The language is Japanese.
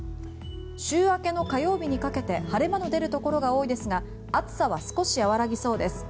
週明けの火曜日にかけて晴れ間の出るところが多いですが暑さは少し和らぎそうです。